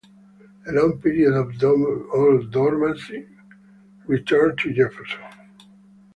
A long period of dormancy returned to Jefferson.